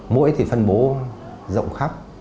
mũi thì phân bố rộng khắp